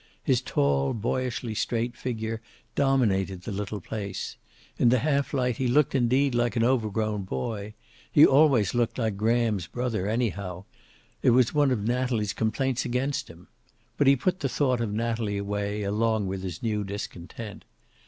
His tall, boyishly straight figure dominated the little place. In the half light he looked, indeed, like an overgrown boy. He always looked like Graham's brother, anyhow; it was one of Natalie's complaints against him. But he put the thought of Natalie away, along with his new discontent.